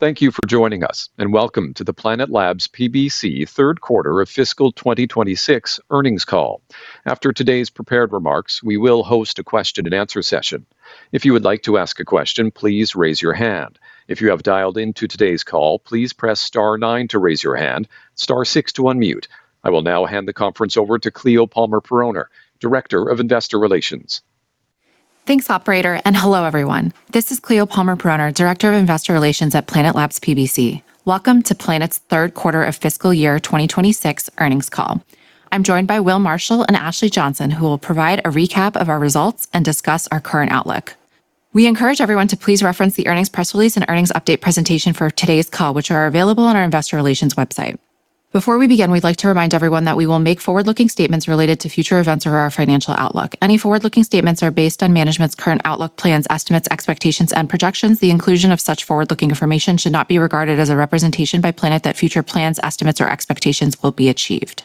Thank you for joining us, and welcome to the Planet Labs PBC Third Quarter of Fiscal 2026 earnings call. After today's prepared remarks, we will host a question-and-answer session. If you would like to ask a question, please raise your hand. If you have dialed into today's call, please press star nine to raise your hand, star six to unmute. I will now hand the conference over to Cleo Palmer-Poroner, Director of Investor Relations. Thanks, operator, and hello everyone. This is Cleo Palmer-Poroner, Director of Investor Relations at Planet Labs PBC. Welcome to Planet's Third Quarter of Fiscal Year 2026 earnings call. I'm joined by Will Marshall and Ashley Johnson, who will provide a recap of our results and discuss our current outlook. We encourage everyone to please reference the earnings press release and earnings update presentation for today's call, which are available on our Investor Relations website. Before we begin, we'd like to remind everyone that we will make forward-looking statements related to future events or our financial outlook. Any forward-looking statements are based on management's current outlook, plans, estimates, expectations, and projections. The inclusion of such forward-looking information should not be regarded as a representation by Planet that future plans, estimates, or expectations will be achieved.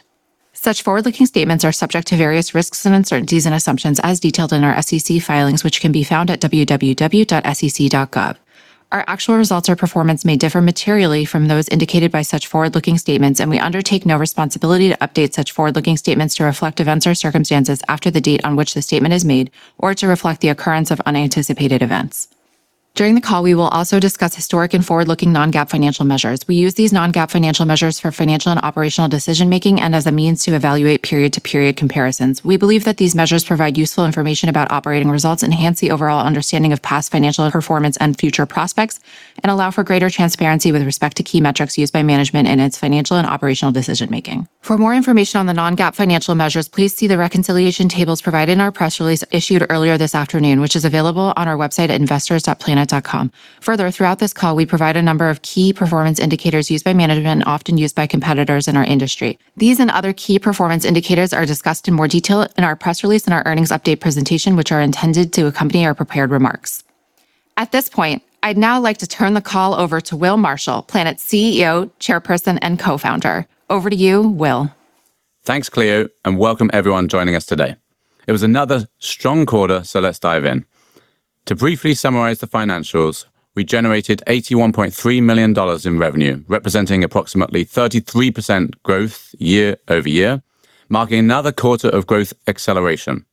Such forward-looking statements are subject to various risks and uncertainties and assumptions, as detailed in our SEC filings, which can be found at www.sec.gov. Our actual results or performance may differ materially from those indicated by such forward-looking statements, and we undertake no responsibility to update such forward-looking statements to reflect events or circumstances after the date on which the statement is made or to reflect the occurrence of unanticipated events. During the call, we will also discuss historic and forward-looking non-GAAP financial measures. We use these non-GAAP financial measures for financial and operational decision-making and as a means to evaluate period-to-period comparisons. We believe that these measures provide useful information about operating results, enhance the overall understanding of past financial performance and future prospects, and allow for greater transparency with respect to key metrics used by management in its financial and operational decision-making. For more information on the non-GAAP financial measures, please see the reconciliation tables provided in our press release issued earlier this afternoon, which is available on our website at investors.planet.com. Further, throughout this call, we provide a number of key performance indicators used by management and often used by competitors in our industry. These and other key performance indicators are discussed in more detail in our press release and our earnings update presentation, which are intended to accompany our prepared remarks. At this point, I'd now like to turn the call over to Will Marshall, Planet's CEO, Chairperson, and Co-Founder. Over to you, Will. Thanks, Cleo, and welcome everyone joining us today. It was another strong quarter, so let's dive in. To briefly summarize the financials, we generated $81.3 million in revenue, representing approximately 33% growth year-over-year, marking another quarter of growth acceleration.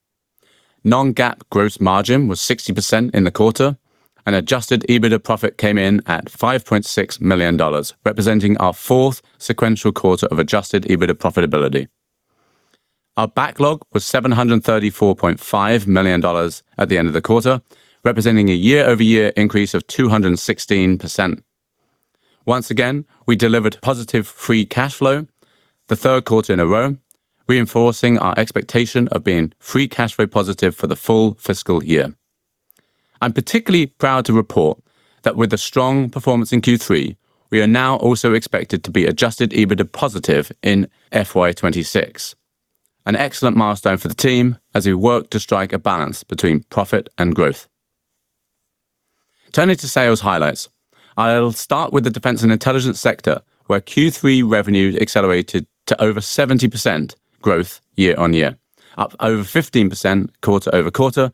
Non-GAAP gross margin was 60% in the quarter, and Adjusted EBITDA profit came in at $5.6 million, representing our fourth sequential quarter of Adjusted EBITDA profitability. Our Backlog was $734.5 million at the end of the quarter, representing a year-over-year increase of 216%. Once again, we delivered positive Free Cash Flow, the third quarter in a row, reinforcing our expectation of being Free Cash Flow positive for the full fiscal year. I'm particularly proud to report that with a strong performance in Q3, we are now also expected to be Adjusted EBITDA positive in FY2026, an excellent milestone for the team as we work to strike a balance between profit and growth. Turning to sales highlights, I'll start with the defense and intelligence sector, where Q3 revenue accelerated to over 70% growth year-on-year, up over 15% quarter-over-quarter,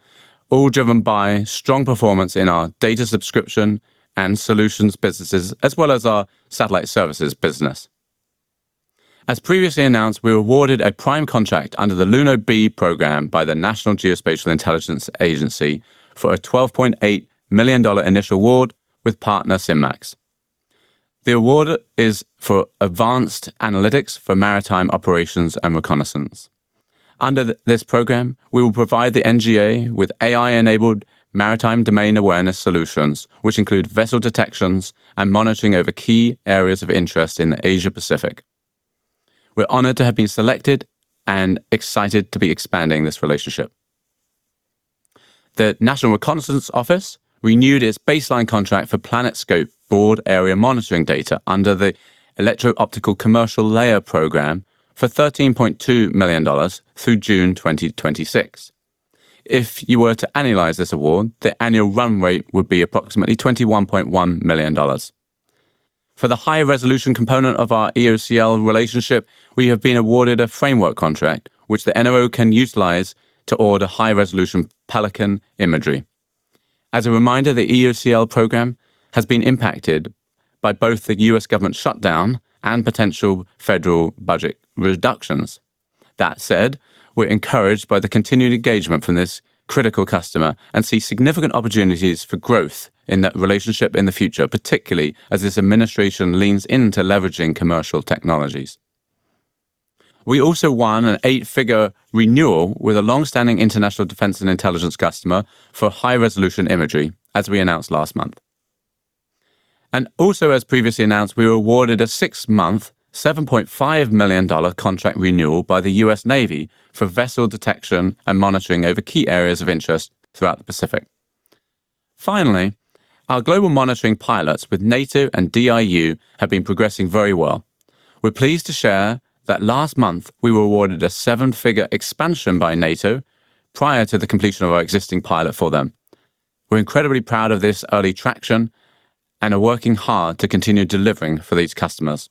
all driven by strong performance in our data subscription and solutions businesses, as well as our satellite services business. As previously announced, we awarded a prime contract under the Luno B program by the National Geospatial-Intelligence Agency for a $12.8 million initial award with partner SynMax. The award is for advanced analytics for maritime operations and reconnaissance. Under this program, we will provide the NGA with AI-enabled maritime domain awareness solutions, which include vessel detections and monitoring over key areas of interest in Asia Pacific. We're honored to have been selected and excited to be expanding this relationship. The National Reconnaissance Office renewed its baseline contract for PlanetScope broad area monitoring data under the Electro-Optical Commercial Layer program for $13.2 million through June 2026. If you were to analyze this award, the annual run rate would be approximately $21.1 million. For the high-resolution component of our EOCL relationship, we have been awarded a framework contract, which the NRO can utilize to order high-resolution Pelican imagery. As a reminder, the EOCL program has been impacted by both the U.S. government shutdown and potential federal budget reductions. That said, we're encouraged by the continued engagement from this critical customer and see significant opportunities for growth in that relationship in the future, particularly as this administration leans into leveraging commercial technologies. We also won an eight-figure renewal with a long-standing international defense and intelligence customer for high-resolution imagery, as we announced last month. And also, as previously announced, we were awarded a six-month $7.5 million contract renewal by the U.S. Navy for vessel detection and monitoring over key areas of interest throughout the Pacific. Finally, our global monitoring pilots with NATO and DIU have been progressing very well. We're pleased to share that last month we were awarded a seven-figure expansion by NATO prior to the completion of our existing pilot for them. We're incredibly proud of this early traction and are working hard to continue delivering for these customers.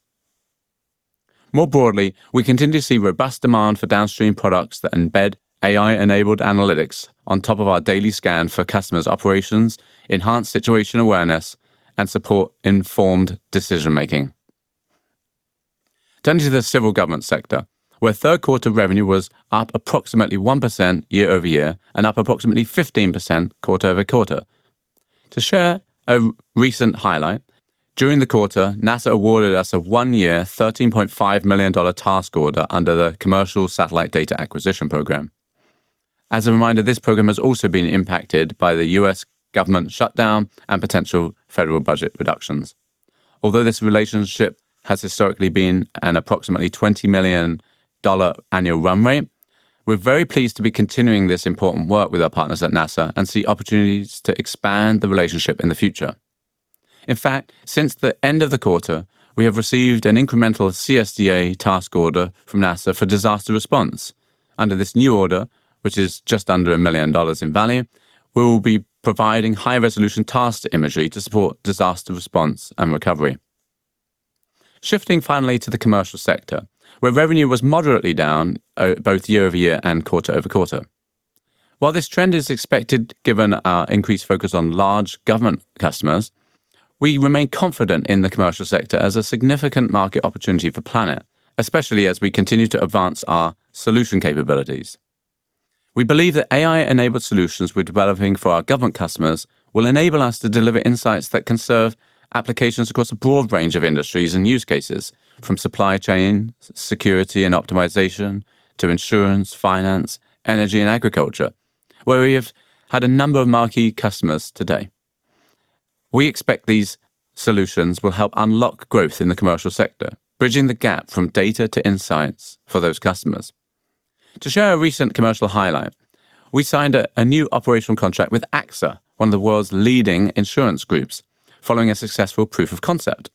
More broadly, we continue to see robust demand for downstream products that embed AI-enabled analytics on top of our daily scan for customers' operations, enhance situation awareness, and support informed decision-making. Turning to the civil government sector, where third quarter revenue was up approximately 1% year-over-year and up approximately 15% quarter-over-quarter. To share a recent highlight, during the quarter, NASA awarded us a one-year $13.5 million task order under the Commercial Satellite Data Acquisition program. As a reminder, this program has also been impacted by the U.S. government shutdown and potential federal budget reductions. Although this relationship has historically been an approximately $20 million annual run rate, we're very pleased to be continuing this important work with our partners at NASA and see opportunities to expand the relationship in the future. In fact, since the end of the quarter, we have received an incremental CSDA task order from NASA for disaster response. Under this new order, which is just under $1 million in value, we will be providing high-resolution task imagery to support disaster response and recovery. Shifting finally to the commercial sector, where revenue was moderately down both year-over-year and quarter-over-quarter. While this trend is expected given our increased focus on large government customers, we remain confident in the commercial sector as a significant market opportunity for Planet, especially as we continue to advance our solution capabilities. We believe that AI-enabled solutions we're developing for our government customers will enable us to deliver insights that can serve applications across a broad range of industries and use cases, from supply chain, security and optimization, to insurance, finance, energy, and agriculture, where we have had a number of marquee customers today. We expect these solutions will help unlock growth in the commercial sector, bridging the gap from data to insights for those customers. To share a recent commercial highlight, we signed a new operational contract with AXA, one of the world's leading insurance groups, following a successful proof of concept.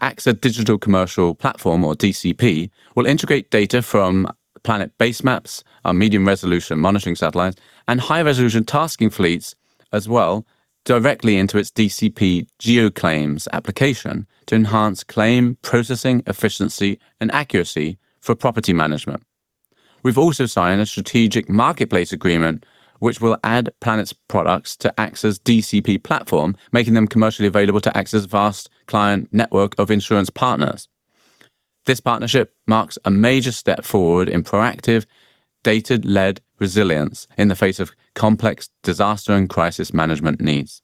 AXA Digital Commercial Platform, or DCP, will integrate data from Planet Basemaps, our medium resolution monitoring satellite, and high-resolution tasking fleets, as well, directly into its DCP GeoClaims application to enhance claim processing efficiency and accuracy for property management. We've also signed a strategic marketplace agreement, which will add Planet's products to AXA's DCP platform, making them commercially available to AXA's vast client network of insurance partners. This partnership marks a major step forward in proactive, data-led resilience in the face of complex disaster and crisis management needs.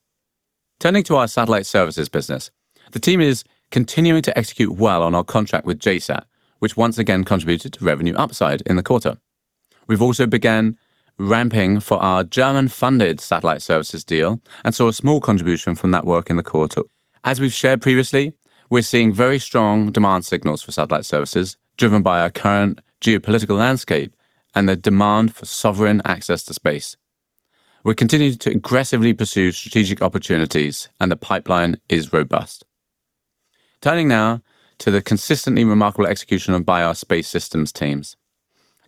Turning to our satellite services business, the team is continuing to execute well on our contract with JSAT, which once again contributed to revenue upside in the quarter. We've also begun ramping for our German-funded satellite services deal and saw a small contribution from that work in the quarter. As we've shared previously, we're seeing very strong demand signals for satellite services driven by our current geopolitical landscape and the demand for sovereign access to space. We're continuing to aggressively pursue strategic opportunities, and the pipeline is robust. Turning now to the consistently remarkable execution of by our Space Systems teams.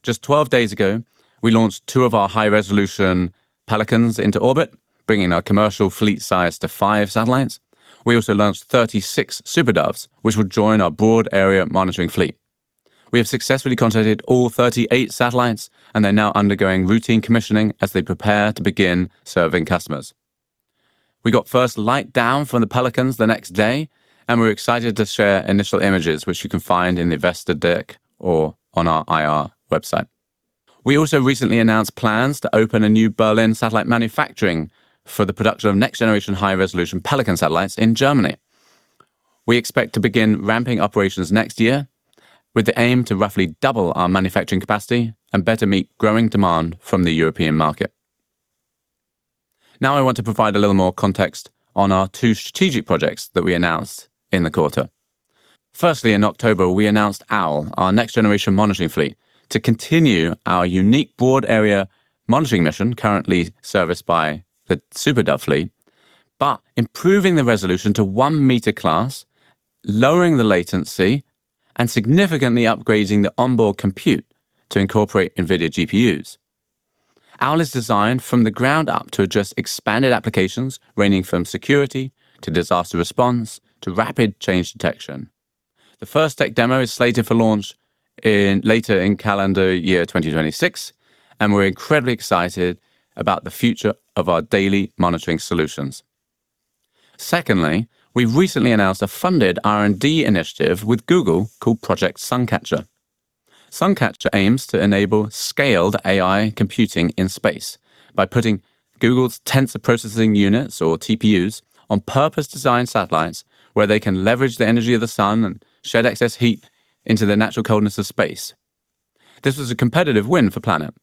Just 12 days ago, we launched two of our high-resolution Pelicans into orbit, bringing our commercial fleet size to five satellites. We also launched 36 SuperDoves, which will join our broad area monitoring fleet. We have successfully completed all 38 satellites, and they're now undergoing routine commissioning as they prepare to begin serving customers. We got first light down from the Pelicans the next day, and we're excited to share initial images, which you can find in the Investor Deck or on our IR website. We also recently announced plans to open a new Berlin satellite manufacturing facility for the production of next-generation high-resolution Pelican satellites in Germany. We expect to begin ramping operations next year with the aim to roughly double our manufacturing capacity and better meet growing demand from the European market. Now I want to provide a little more context on our two strategic projects that we announced in the quarter. Firstly, in October, we announced Owl, our next-generation monitoring fleet, to continue our unique broad area monitoring mission currently serviced by the SuperDove fleet, but improving the resolution to one-meter class, lowering the latency, and significantly upgrading the onboard compute to incorporate NVIDIA GPUs. Owl is designed from the ground up to address expanded applications ranging from security to disaster response to rapid change detection. The first tech demo is slated for launch later in calendar year 2026, and we're incredibly excited about the future of our daily monitoring solutions. Secondly, we've recently announced a funded R&D initiative with Google called Project Suncatcher. Suncatcher aims to enable scaled AI computing in space by putting Google's Tensor Processing Units, or TPUs, on purpose-designed satellites where they can leverage the energy of the sun and shed excess heat into the natural coldness of space. This was a competitive win for Planet,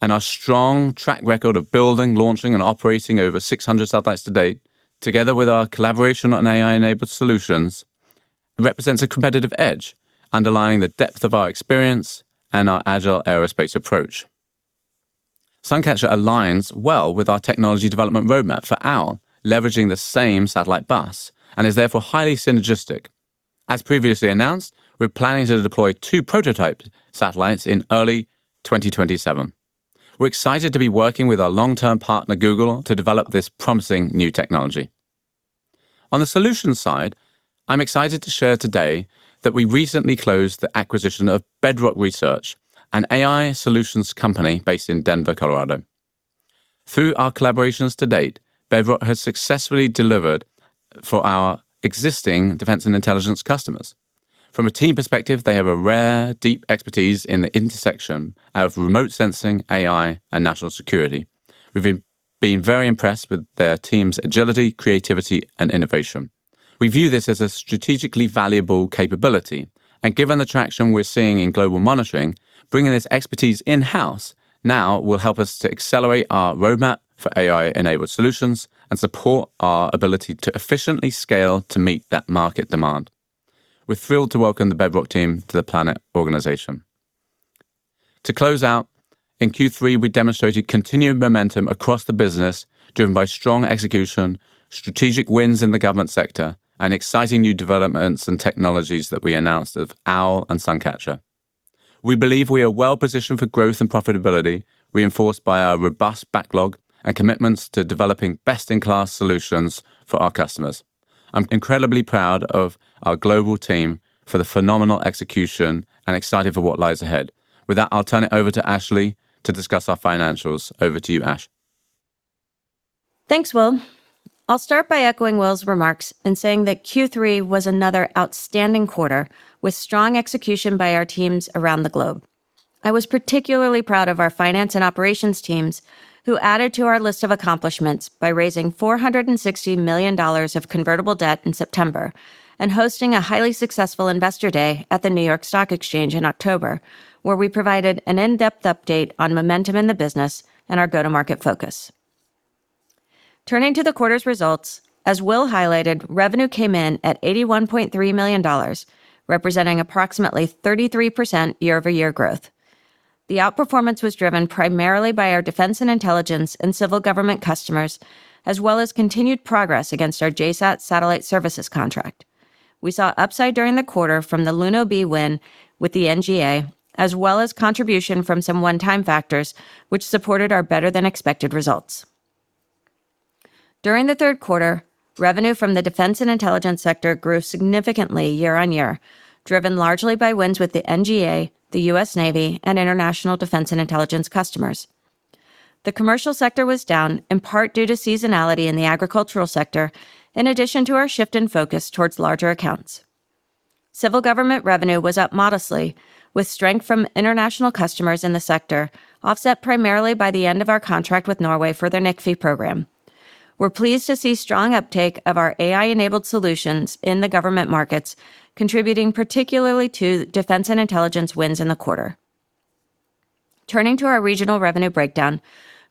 and our strong track record of building, launching, and operating over 600 satellites to date, together with our collaboration on AI-enabled solutions, represents a competitive edge underlying the depth of our experience and our Agile Aerospace approach. Suncatcher aligns well with our technology development roadmap for Owl, leveraging the same satellite bus and is therefore highly synergistic. As previously announced, we're planning to deploy two prototype satellites in early 2027. We're excited to be working with our long-term partner, Google, to develop this promising new technology. On the solution side, I'm excited to share today that we recently closed the acquisition of Bedrock Research, an AI solutions company based in Denver, Colorado. Through our collaborations to date, Bedrock has successfully delivered for our existing defense and intelligence customers. From a team perspective, they have a rare, deep expertise in the intersection of remote sensing, AI, and national security. We've been very impressed with their team's agility, creativity, and innovation. We view this as a strategically valuable capability, and given the traction we're seeing in global monitoring, bringing this expertise in-house now will help us to accelerate our roadmap for AI-enabled solutions and support our ability to efficiently scale to meet that market demand. We're thrilled to welcome the Bedrock team to the Planet organization. To close out, in Q3, we demonstrated continued momentum across the business driven by strong execution, strategic wins in the government sector, and exciting new developments and technologies that we announced of Owl and Suncatcher. We believe we are well positioned for growth and profitability, reinforced by our robust backlog and commitments to developing best-in-class solutions for our customers. I'm incredibly proud of our global team for the phenomenal execution and excited for what lies ahead. With that, I'll turn it over to Ashley to discuss our financials. Over to you, Ash. Thanks, Will. I'll start by echoing Will's remarks in saying that Q3 was another outstanding quarter with strong execution by our teams around the globe. I was particularly proud of our finance and operations teams, who added to our list of accomplishments by raising $460 million of convertible debt in September and hosting a highly successful Investor Day at the New York Stock Exchange in October, where we provided an in-depth update on momentum in the business and our go-to-market focus. Turning to the quarter's results, as Will highlighted, revenue came in at $81.3 million, representing approximately 33% year-over-year growth. The outperformance was driven primarily by our defense and intelligence and civil government customers, as well as continued progress against our JSAT satellite services contract. We saw upside during the quarter from the Luno B win with the NGA, as well as contribution from some one-time factors, which supported our better-than-expected results. During the third quarter, revenue from the defense and intelligence sector grew significantly year-on-year, driven largely by wins with the NGA, the U.S. Navy, and international defense and intelligence customers. The commercial sector was down, in part due to seasonality in the agricultural sector, in addition to our shift in focus towards larger accounts. Civil government revenue was up modestly, with strength from international customers in the sector offset primarily by the end of our contract with Norway for their NICFI program. We're pleased to see strong uptake of our AI-enabled solutions in the government markets, contributing particularly to defense and intelligence wins in the quarter. Turning to our regional revenue breakdown,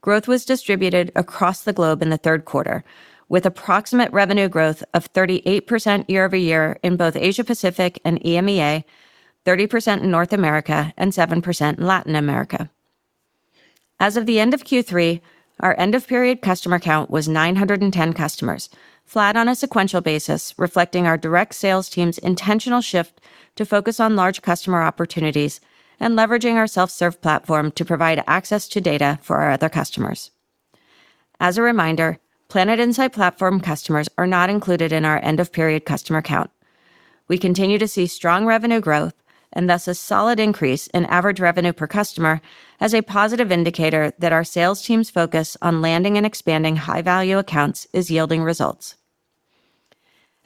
growth was distributed across the globe in the third quarter, with approximate revenue growth of 38% year-over-year in both Asia Pacific and EMEA, 30% in North America, and 7% in Latin America. As of the end of Q3, our end-of-period customer count was 910 customers, flat on a sequential basis, reflecting our direct sales team's intentional shift to focus on large customer opportunities and leveraging our self-serve platform to provide access to data for our other customers. As a reminder, Planet Insights Platform customers are not included in our end-of-period customer count. We continue to see strong revenue growth and thus a solid increase in average revenue per customer as a positive indicator that our sales team's focus on landing and expanding high-value accounts is yielding results.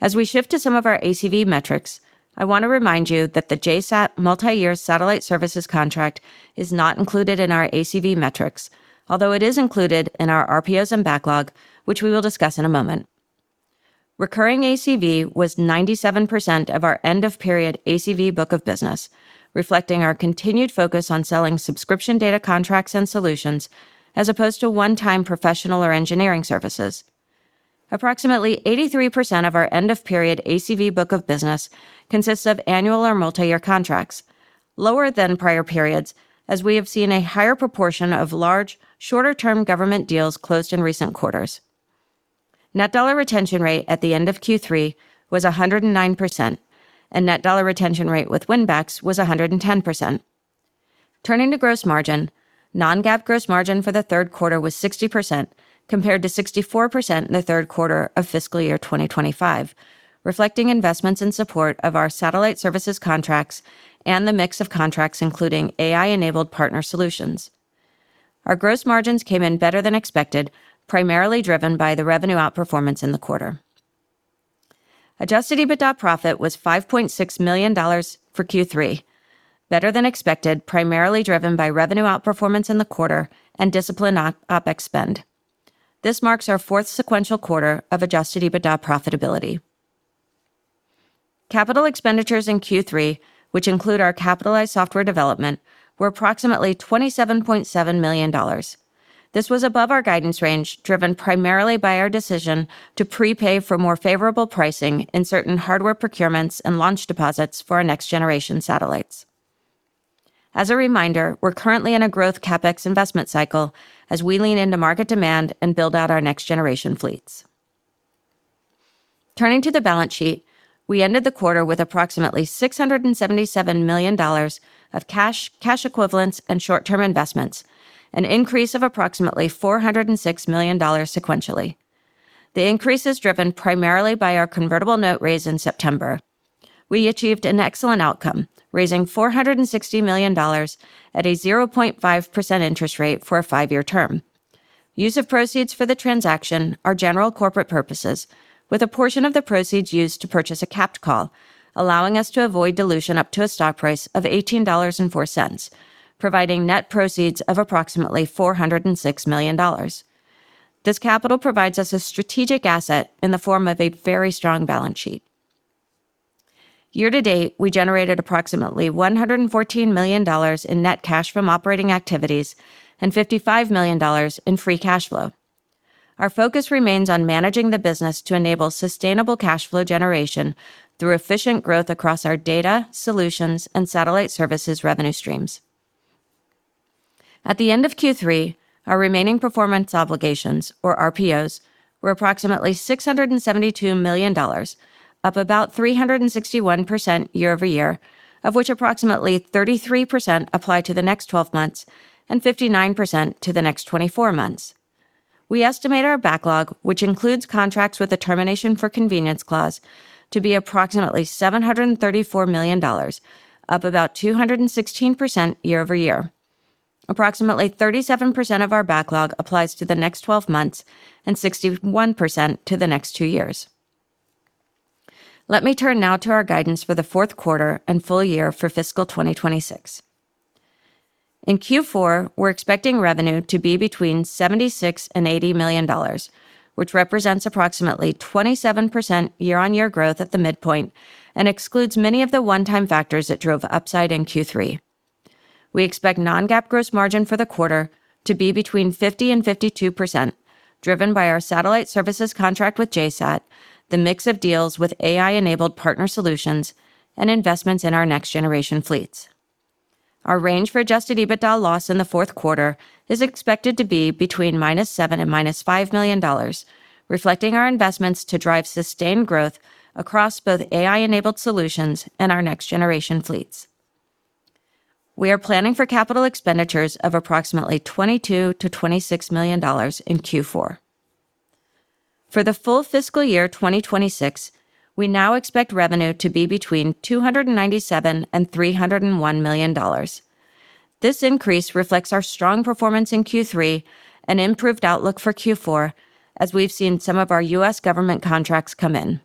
As we shift to some of our ACV metrics, I want to remind you that the JSAT multi-year satellite services contract is not included in our ACV metrics, although it is included in our RPOs and backlog, which we will discuss in a moment. Recurring ACV was 97% of our end-of-period ACV book of business, reflecting our continued focus on selling subscription data contracts and solutions as opposed to one-time professional or engineering services. Approximately 83% of our end-of-period ACV book of business consists of annual or multi-year contracts, lower than prior periods, as we have seen a higher proportion of large, shorter-term government deals closed in recent quarters. Net dollar retention rate at the end of Q3 was 109%, and net dollar retention rate with Winbacks was 110%. Turning to gross margin, non-GAAP gross margin for the third quarter was 60%, compared to 64% in the third quarter of fiscal year 2025, reflecting investments in support of our satellite services contracts and the mix of contracts including AI-enabled partner solutions. Our gross margins came in better than expected, primarily driven by the revenue outperformance in the quarter. Adjusted EBITDA profit was $5.6 million for Q3, better than expected, primarily driven by revenue outperformance in the quarter and disciplined OpEx spend. This marks our fourth sequential quarter of Adjusted EBITDA profitability. Capital expenditures in Q3, which include our capitalized software development, were approximately $27.7 million. This was above our guidance range, driven primarily by our decision to prepay for more favorable pricing in certain hardware procurements and launch deposits for our next-generation satellites. As a reminder, we're currently in a growth CapEx investment cycle as we lean into market demand and build out our next-generation fleets. Turning to the balance sheet, we ended the quarter with approximately $677 million of cash, cash equivalents, and short-term investments, an increase of approximately $406 million sequentially. The increase is driven primarily by our convertible note raise in September. We achieved an excellent outcome, raising $460 million at a 0.5% interest rate for a five-year term. Use of proceeds for the transaction are general corporate purposes, with a portion of the proceeds used to purchase a capped call, allowing us to avoid dilution up to a stock price of $18.04, providing net proceeds of approximately $406 million. This capital provides us a strategic asset in the form of a very strong balance sheet. Year-to-date, we generated approximately $114 million in net cash from operating activities and $55 million in free cash flow. Our focus remains on managing the business to enable sustainable cash flow generation through efficient growth across our data, solutions, and satellite services revenue streams. At the end of Q3, our remaining performance obligations, or RPOs, were approximately $672 million, up about 361% year-over-year, of which approximately 33% apply to the next 12 months and 59% to the next 24 months. We estimate our backlog, which includes contracts with a termination for convenience clause, to be approximately $734 million, up about 216% year-over-year. Approximately 37% of our backlog applies to the next 12 months and 61% to the next two years. Let me turn now to our guidance for the fourth quarter and full year for fiscal 2026. In Q4, we're expecting revenue to be between $76 million and $80 million, which represents approximately 27% year-on-year growth at the midpoint and excludes many of the 1x factors that drove upside in Q3. We expect non-GAAP gross margin for the quarter to be between 50%-52%, driven by our satellite services contract with JSAT, the mix of deals with AI-enabled partner solutions, and investments in our next-generation fleets. Our range for Adjusted EBITDA loss in the fourth quarter is expected to be between -$7 million and -$5 million, reflecting our investments to drive sustained growth across both AI-enabled solutions and our next-generation fleets. We are planning for capital expenditures of approximately $22 million-$26 million in Q4. For the full fiscal year 2026, we now expect revenue to be between $297 million-$301 million. This increase reflects our strong performance in Q3 and improved outlook for Q4, as we've seen some of our U.S. government contracts come in.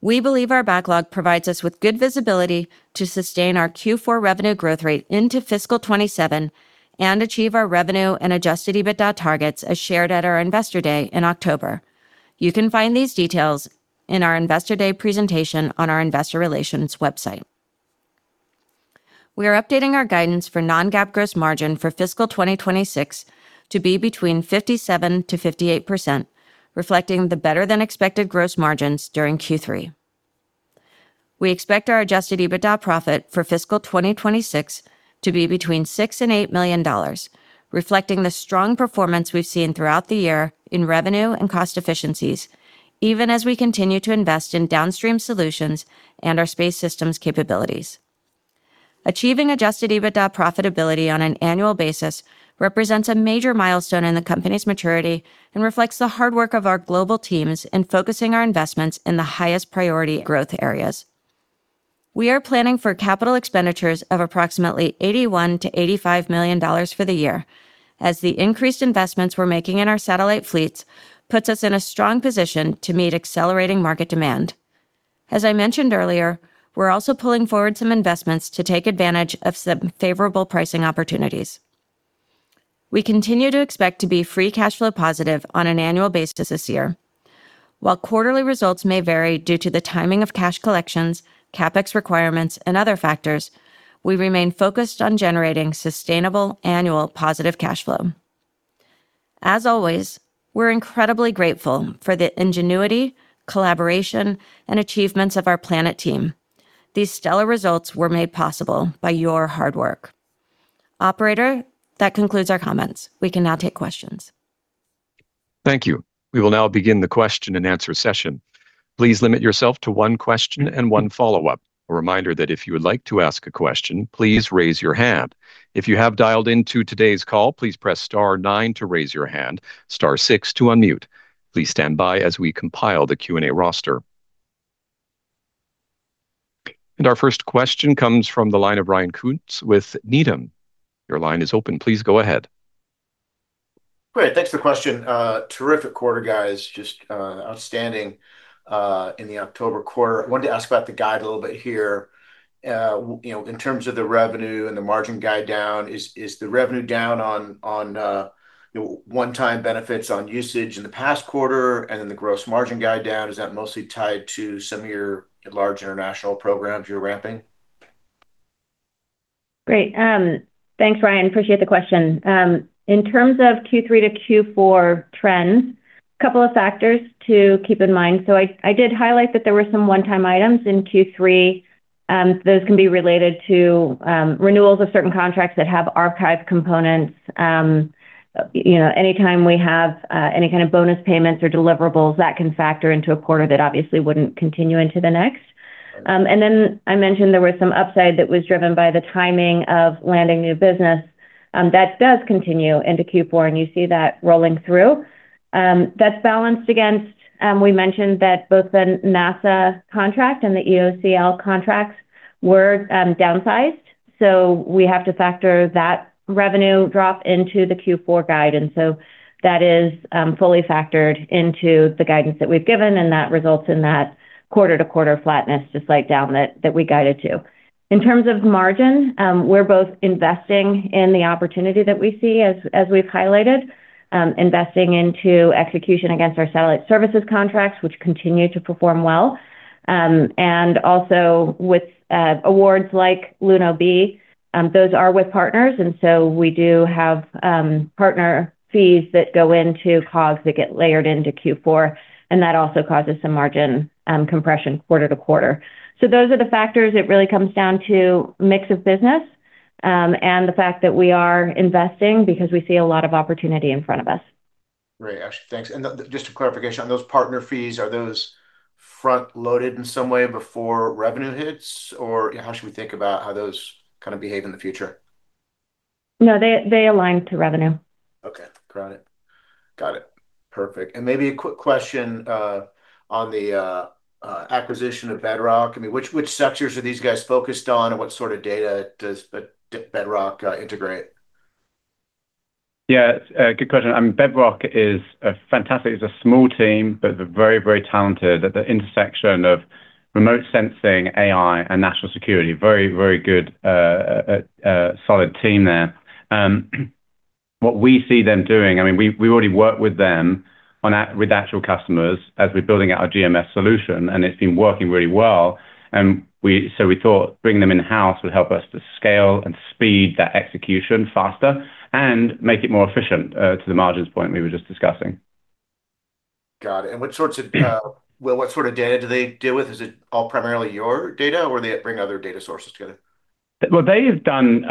We believe our backlog provides us with good visibility to sustain our Q4 revenue growth rate into fiscal 2027 and achieve our revenue and Adjusted EBITDA targets as shared at our Investor Day in October. You can find these details in our Investor Day presentation on our Investor Relations website. We are updating our guidance for Non-GAAP gross margin for fiscal 2026 to be between 57%-58%, reflecting the better-than-expected gross margins during Q3. We expect our Adjusted EBITDA profit for fiscal 2026 to be between $6 million and $8 million, reflecting the strong performance we've seen throughout the year in revenue and cost efficiencies, even as we continue to invest in downstream solutions and our space systems capabilities. Achieving Adjusted EBITDA profitability on an annual basis represents a major milestone in the company's maturity and reflects the hard work of our global teams in focusing our investments in the highest priority growth areas. We are planning for capital expenditures of approximately $81 million-$85 million for the year, as the increased investments we're making in our satellite fleets puts us in a strong position to meet accelerating market demand. As I mentioned earlier, we're also pulling forward some investments to take advantage of some favorable pricing opportunities. We continue to expect to be Free Cash Flow positive on an annual basis this year. While quarterly results may vary due to the timing of cash collections, CapEx requirements, and other factors, we remain focused on generating sustainable annual positive cash flow. As always, we're incredibly grateful for the ingenuity, collaboration, and achievements of our Planet team. These stellar results were made possible by your hard work. Operator, that concludes our comments. We can now take questions. Thank you. We will now begin the question and answer session. Please limit yourself to one question and one follow-up. A reminder that if you would like to ask a question, please raise your hand. If you have dialed into today's call, please press star nine to raise your hand, star six to unmute. Please stand by as we compile the Q&A roster, and our first question comes from the line of Ryan Coontz with Needham. Your line is open. Please go ahead. Great. Thanks for the question. Terrific quarter, guys. Just outstanding in the October quarter. I wanted to ask about the guide a little bit here. In terms of the revenue and the margin guide down, is the revenue down on 1x benefits on usage in the past quarter and then the gross margin guide down? Is that mostly tied to some of your large international programs you're ramping? Great. Thanks, Ryan. Appreciate the question. In terms of Q3 to Q4 trends, a couple of factors to keep in mind. So I did highlight that there were some 1x items in Q3. Those can be related to renewals of certain contracts that have archive components. Anytime we have any kind of bonus payments or deliverables, that can factor into a quarter that obviously wouldn't continue into the next. And then I mentioned there was some upside that was driven by the timing of landing new business. That does continue into Q4, and you see that rolling through. That's balanced against. We mentioned that both the NASA contract and the EOCL contracts were downsized, so we have to factor that revenue drop into the Q4 guidance, so that is fully factored into the guidance that we've given, and that results in that quarter-to-quarter flatness, just like down that we guided to. In terms of margin, we're both investing in the opportunity that we see, as we've highlighted, investing into execution against our satellite services contracts, which continue to perform well and also with awards like Luno B, those are with partners, and so we do have partner fees that go into COGS that get layered into Q4, and that also causes some margin compression quarter-to-quarter, so those are the factors. It really comes down to mix of business and the fact that we are investing because we see a lot of opportunity in front of us. Great. Ashley, thanks. And just a clarification on those partner fees, are those front-loaded in some way before revenue hits, or how should we think about how those kind of behave in the future? No, they align to revenue. Okay. Got it. Got it. Perfect. And maybe a quick question on the acquisition of Bedrock. I mean, which sectors are these guys focused on, and what sort of data does Bedrock integrate? Yeah, good question. I mean, Bedrock is fantastic. It's a small team, but they're very, very talented at the intersection of remote sensing, AI, and national security. Very, very good, solid team there. What we see them doing, I mean, we already work with them with actual customers as we're building out our GMS solution, and it's been working really well. And so we thought bringing them in-house would help us to scale and speed that execution faster and make it more efficient to the margins point we were just discussing. Got it. And what sorts of, well, what sort of data do they deal with? Is it all primarily your data, or do they bring other data sources together? Well, they have done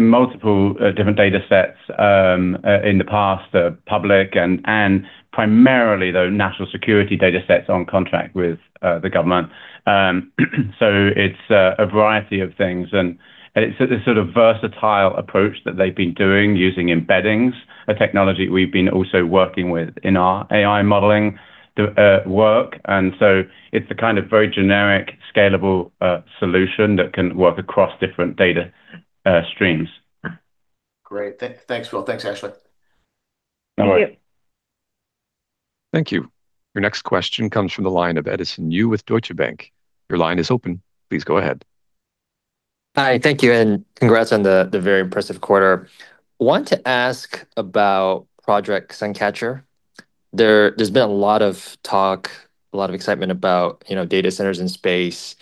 multiple different data sets in the past, public and primarily, though, national security data sets on contract with the government. So it's a variety of things. And it's a sort of versatile approach that they've been doing using embeddings, a technology we've been also working with in our AI modeling work. And so it's the kind of very generic, scalable solution that can work across different data streams. Great. Thanks, Will. Thanks, Ashley. Thank you. Thank you. Your next question comes from the line of Edison Yu with Deutsche Bank. Your line is open. Please go ahead. Hi. Thank you. And congrats on the very impressive quarter. I want to ask about Project Suncatcher. There's been a lot of talk, a lot of excitement about data centers in space.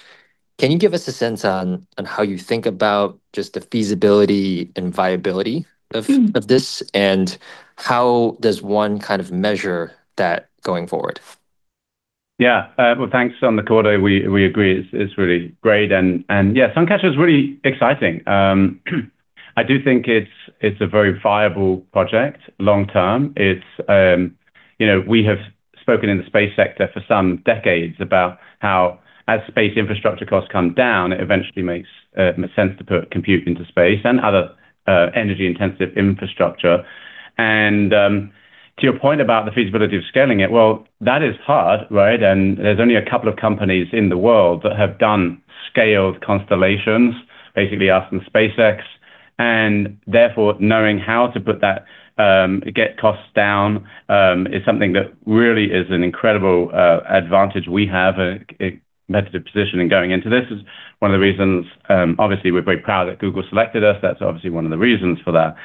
Can you give us a sense on how you think about just the feasibility and viability of this, and how does one kind of measure that going forward? Yeah. Well, thanks. On the quarter, we agree. It's really great. And yeah, Suncatcher is really exciting. I do think it's a very viable project long term. We have spoken in the space sector for some decades about how, as space infrastructure costs come down, it eventually makes sense to put compute into space and other energy-intensive infrastructure. And to your point about the feasibility of scaling it, well, that is hard, right? And there's only a couple of companies in the world that have done scaled constellations, basically us and SpaceX. And therefore, knowing how to get costs down is something that really is an incredible advantage we have in a competitive position in going into this. One of the reasons, obviously, we're very proud that Google selected us. That's obviously one of the reasons for that.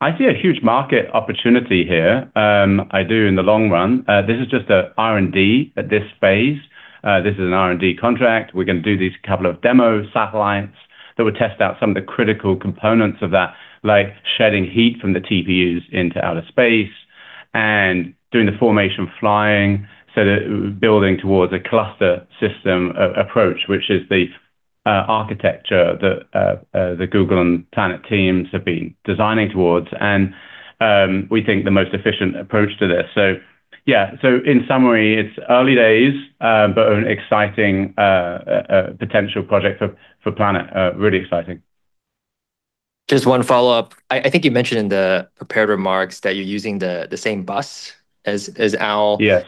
I see a huge market opportunity here. I do in the long run. This is just an R&D at this phase. This is an R&D contract. We're going to do these couple of demo satellites that will test out some of the critical components of that, like shedding heat from the TPUs into outer space and doing the formation flying. So building towards a cluster system approach, which is the architecture that the Google and Planet teams have been designing towards. And we think the most efficient approach to this. So yeah, so in summary, it's early days, but an exciting potential project for Planet. Really exciting. Just one follow-up. I think you mentioned in the prepared remarks that you're using the same bus as Owl. Yes.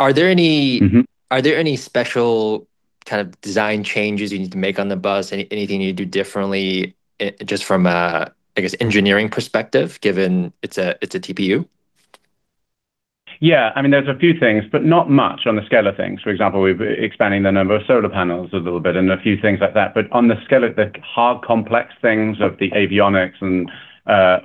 Are there any special kind of design changes you need to make on the bus? Anything you need to do differently just from a, I guess, engineering perspective, given it's a TPU? Yeah. I mean, there's a few things, but not much on the scale of things. For example, we're expanding the number of solar panels a little bit and a few things like that. But on the scale of the hard complex things of the avionics and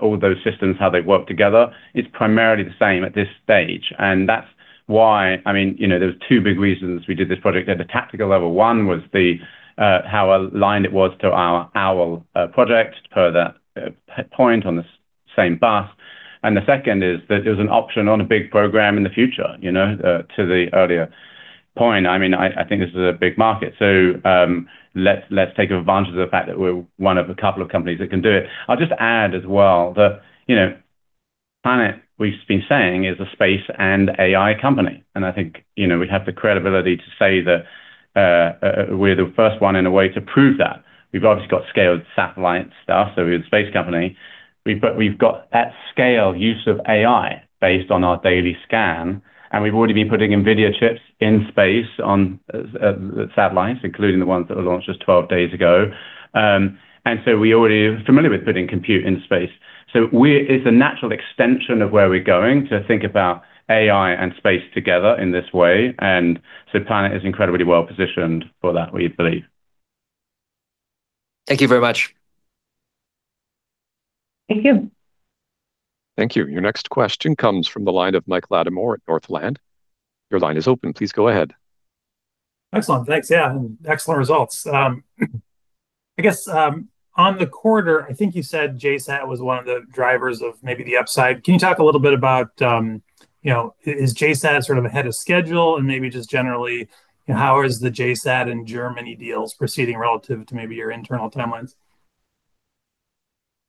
all those systems, how they work together, it's primarily the same at this stage. And that's why, I mean, there's two big reasons we did this project at the tactical level. One was how aligned it was to our Owl project per that point on the same bus. And the second is that it was an option on a big program in the future. To the earlier point, I mean, I think this is a big market. So let's take advantage of the fact that we're one of a couple of companies that can do it. I'll just add as well that Planet, we've been saying, is a space and AI company. And I think we have the credibility to say that we're the first one in a way to prove that. We've obviously got scaled satellite stuff, so we're the space company. We've got at-scale use of AI based on our daily scan, and we've already been putting NVIDIA chips in space on satellites, including the ones that were launched just 12 days ago, and so we're already familiar with putting compute into space, so it's a natural extension of where we're going to think about AI and space together in this way, and so Planet is incredibly well-positioned for that, we believe. Thank you very much. Thank you. Thank you. Your next question comes from the line of Mike Latimore at Northland. Your line is open. Please go ahead. Excellent. Thanks. Yeah. Excellent results. I guess on the quarter, I think you said JSAT was one of the drivers of maybe the upside. Can you talk a little bit about is JSAT sort of ahead of schedule? And maybe just generally, how is the JSAT and Germany deals proceeding relative to maybe your internal timelines?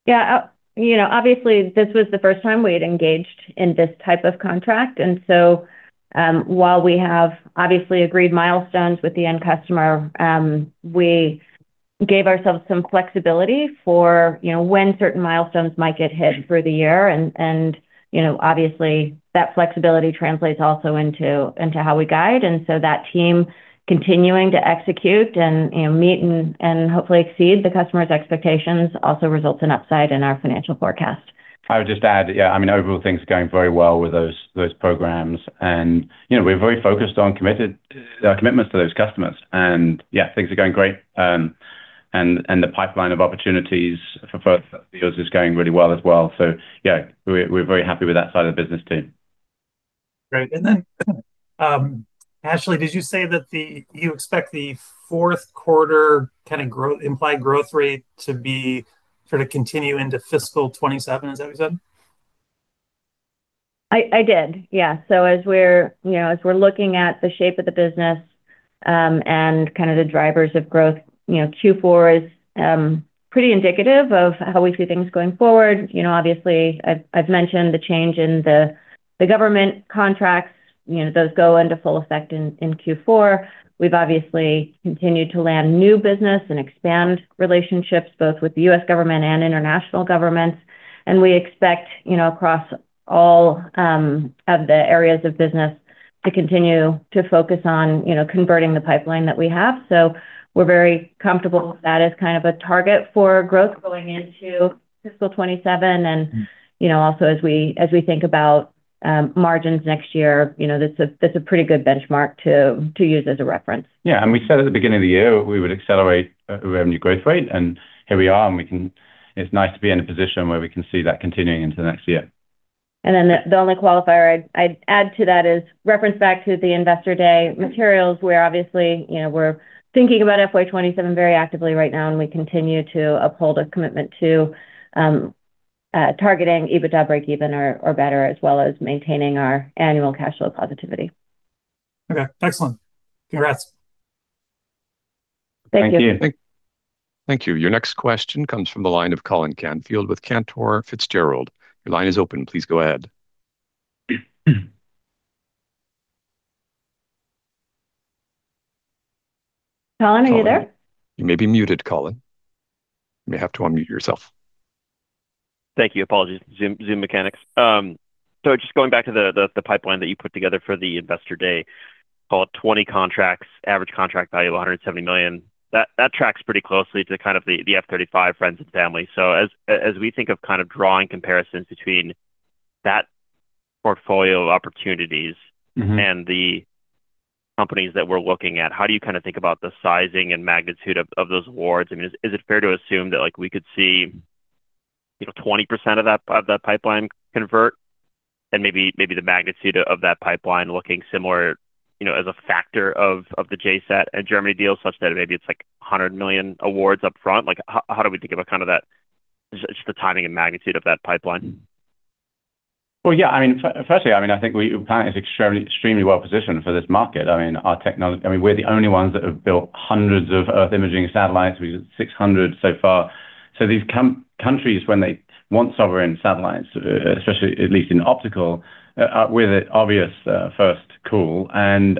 Yeah. Obviously, this was the first time we'd engaged in this type of contract. And so while we have obviously agreed milestones with the end customer, we gave ourselves some flexibility for when certain milestones might get hit through the year. And obviously, that flexibility translates also into how we guide. And so that team continuing to execute and meet and hopefully exceed the customer's expectations also results in upside in our financial forecast. I would just add, yeah, I mean, overall, things are going very well with those programs. And we're very focused on committed commitments to those customers. And yeah, things are going great. And the pipeline of opportunities for deals is going really well as well. So yeah, we're very happy with that side of the business team. Great. And then, Ashley, did you say that you expect the fourth quarter kind of implied growth rate to be sort of continue into fiscal 2027? Is that what you said? I did. Yeah. So as we're looking at the shape of the business and kind of the drivers of growth, Q4 is pretty indicative of how we see things going forward. Obviously, I've mentioned the change in the government contracts. Those go into full effect in Q4. We've obviously continued to land new business and expand relationships both with the U.S. government and international governments. And we expect across all of the areas of business to continue to focus on converting the pipeline that we have. So we're very comfortable with that as kind of a target for growth going into fiscal 2027. And also, as we think about margins next year, that's a pretty good benchmark to use as a reference. Yeah. And we said at the beginning of the year, we would accelerate revenue growth rate. And here we are, and it's nice to be in a position where we can see that continuing into the next year. And then the only qualifier I'd add to that is reference back to the Investor Day materials. We're obviously thinking about FY2027 very actively right now, and we continue to uphold a commitment to targeting EBITDA break-even or better, as well as maintaining our annual cash flow positivity. Okay. Excellent. Congrats. Thank you. Thank you. Thank you. Your next question comes from the line of Colin Canfield with Cantor Fitzgerald. Your line is open. Please go ahead. Colin, are you there? You may be muted, Colin. You may have to unmute yourself. Thank you. Apologies. Zoom mechanics. So just going back to the pipeline that you put together for the Investor Day, 20 contracts, average contract value of $170 million. That tracks pretty closely to kind of the F-35 friends and family. So as we think of kind of drawing comparisons between that portfolio of opportunities and the companies that we're looking at, how do you kind of think about the sizing and magnitude of those awards? I mean, is it fair to assume that we could see 20% of that pipeline convert? And maybe the magnitude of that pipeline looking similar as a factor of the JSAT and Germany deal such that maybe it's like $100 million awards upfront? How do we think about kind of that, just the timing and magnitude of that pipeline? Well, yeah. I mean, firstly, I mean, I think Planet is extremely well-positioned for this market. I mean, we're the only ones that have built hundreds of Earth imaging satellites. We did 600 so far. So these countries, when they want sovereign satellites, especially at least in optical, are with an obvious first call. And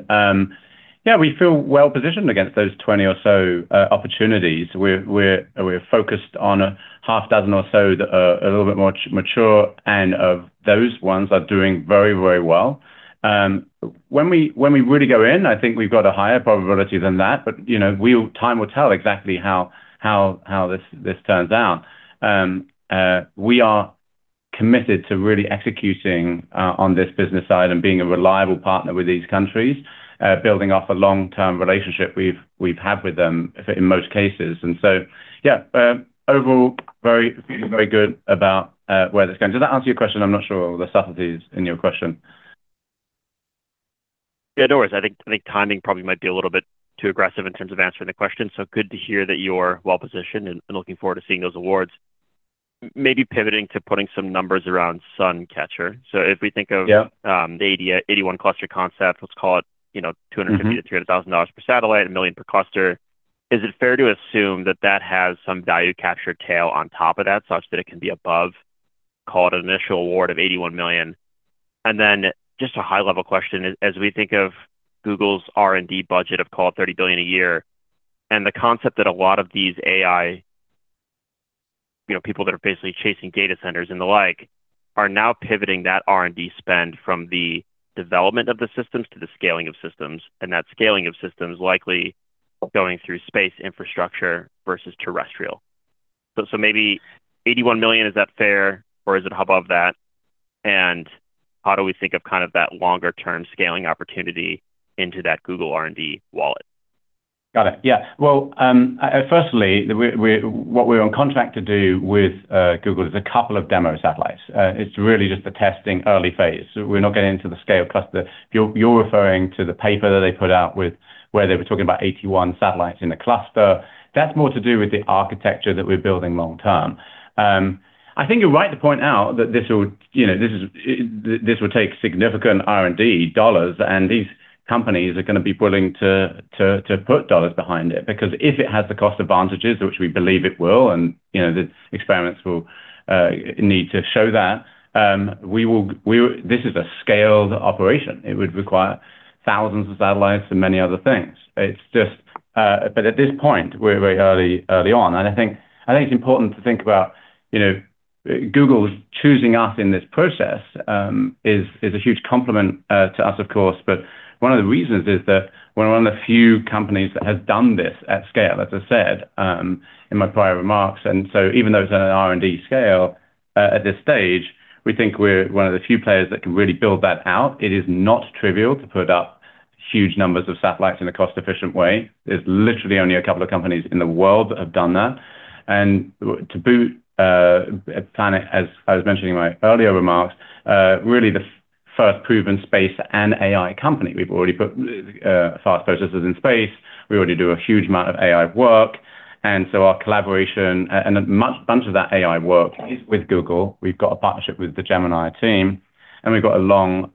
yeah, we feel well-positioned against those 20 or so opportunities. We're focused on a half dozen or so that are a little bit more mature, and those ones are doing very, very well. When we really go in, I think we've got a higher probability than that, but time will tell exactly how this turns out. We are committed to really executing on this business side and being a reliable partner with these countries, building off a long-term relationship we've had with them in most cases. And so yeah, overall, feeling very good about where this is going. Does that answer your question? I'm not sure the subtleties in your question. Yeah, it does. I think timing probably might be a little bit too aggressive in terms of answering the question. So good to hear that you're well-positioned and looking forward to seeing those awards. Maybe pivoting to putting some numbers around Suncatcher. So if we think of the 81 cluster concept, let's call it $250,000-$300,000 per satellite, $1 million per cluster. Is it fair to assume that that has some value capture tail on top of that such that it can be above, call it an initial award of $81 million? And then just a high-level question, as we think of Google's R&D budget of, call it $30 billion a year, and the concept that a lot of these AI people that are basically chasing data centers and the like are now pivoting that R&D spend from the development of the systems to the scaling of systems, and that scaling of systems likely going through space infrastructure versus terrestrial. So maybe $81 million, is that fair, or is it above that? And how do we think of kind of that longer-term scaling opportunity into that Google R&D wallet? Got it. Yeah. Well, firstly, what we're on contract to do with Google is a couple of demo satellites. It's really just the testing early phase. We're not getting into the scale cluster. You're referring to the paper that they put out with where they were talking about 81 satellites in the cluster. That's more to do with the architecture that we're building long term. I think you're right to point out that this will take significant R&D dollars, and these companies are going to be willing to put dollars behind it. Because if it has the cost advantages, which we believe it will, and the experiments will need to show that, this is a scaled operation. It would require thousands of satellites and many other things, but at this point, we're very early on, and I think it's important to think about Google choosing us in this process, is a huge compliment to us, of course, but one of the reasons is that we're one of the few companies that has done this at scale, as I said in my prior remarks. And so, even though it's an R&D scale at this stage, we think we're one of the few players that can really build that out. It is not trivial to put up huge numbers of satellites in a cost-efficient way. There's literally only a couple of companies in the world that have done that. And, to boot, Planet, as I was mentioning in my earlier remarks, really the first proven space and AI company. We've already put fast processors in space. We already do a huge amount of AI work. And so, our collaboration, and a bunch of that AI work, is with Google. We've got a partnership with the Gemini team, and we've got a long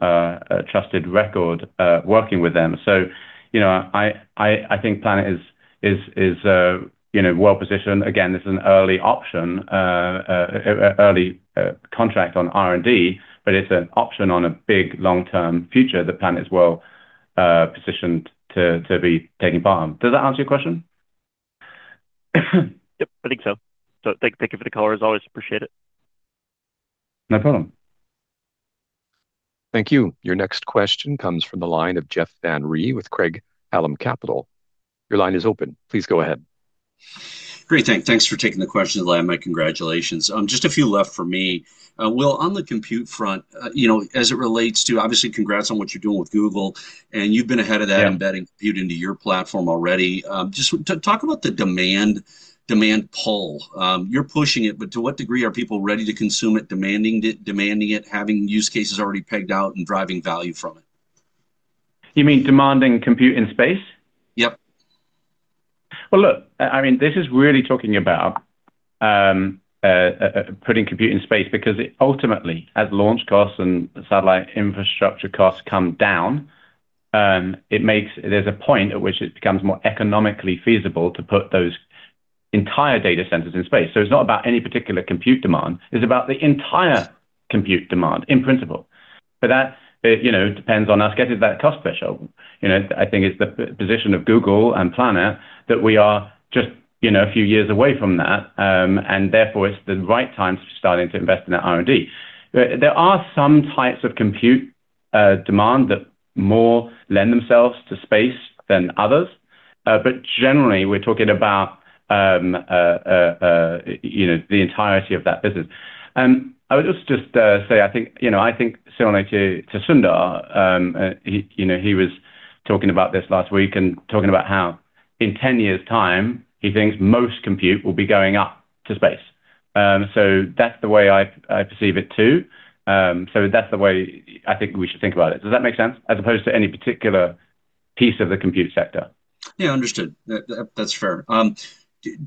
trusted record working with them. So, I think Planet is well-positioned. Again, this is an early option, early contract on R&D, but it's an option on a big long-term future that Planet is well-positioned to be taking part in. Does that answer your question? I think so. So thank you for the call, as always. Appreciate it. No problem. Thank you. Your next question comes from the line of Jeff Van Rhee with Craig-Hallum Capital. Your line is open. Please go ahead. Great. Thanks for taking the question, Will. Congratulations. Just a few left for me. Well, on the compute front, as it relates to, obviously, congrats on what you're doing with Google. And you've been ahead of that embedding compute into your platform already. Just talk about the demand pull. You're pushing it, but to what degree are people ready to consume it, demanding it, having use cases already pegged out and driving value from it? You mean demanding compute in space? Yep. Well, look, I mean, this is really talking about putting compute in space because ultimately, as launch costs and satellite infrastructure costs come down, there's a point at which it becomes more economically feasible to put those entire data centers in space. So it's not about any particular compute demand. It's about the entire compute demand in principle. But that depends on us getting that cost threshold. I think it's the position of Google and Planet that we are just a few years away from that. And therefore, it's the right time to starting to invest in that R&D. There are some types of compute demand that more lend themselves to space than others. But generally, we're talking about the entirety of that business. I would just say, I think similarly to Sundar. He was talking about this last week and talking about how in 10 years' time, he thinks most compute will be going up to space. So that's the way I perceive it too. So that's the way I think we should think about it. Does that make sense? As opposed to any particular piece of the compute sector? Yeah, understood. That's fair.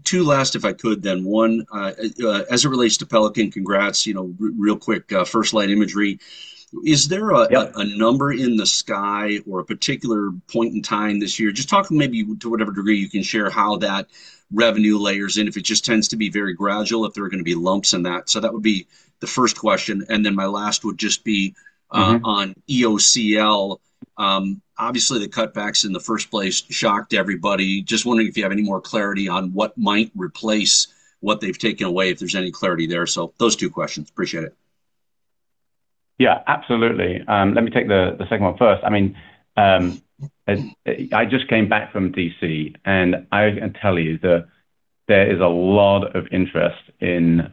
Two last, if I could then. One, as it relates to Pelican, congrats. Real quick, first light imagery. Is there a number in the sky or a particular point in time this year? Just talk maybe to whatever degree you can share how that revenue layers in, if it just tends to be very gradual, if there are going to be lumps in that. So that would be the first question. And then my last would just be on EOCL. Obviously, the cutbacks in the first place shocked everybody. Just wondering if you have any more clarity on what might replace what they've taken away, if there's any clarity there. So those two questions. Appreciate it. Yeah, absolutely. Let me take the second one first. I mean, I just came back from D.C., and I can tell you that there is a lot of interest in